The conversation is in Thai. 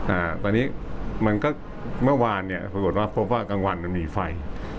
อ่าตอนนี้มันก็เมื่อวานเนี้ยปรากฏว่าพบว่ากลางวันมันมีไฟ